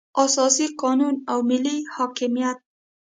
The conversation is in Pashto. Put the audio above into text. اساسي قانون او ملي حاکمیت.